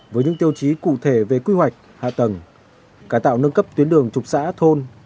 với những tiêu chí cụ thể về quy hoạch hạ tầng cải tạo nâng cấp tuyến đường trục xã thôn